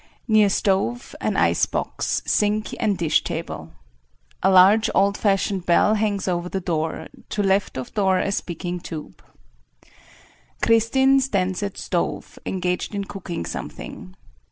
] [Near stove, an ice box, sink and dish table. A large old fashioned bell, hangs over the door, to left of door a speaking tube.] [Kristin stands at stove engaged in cooking something.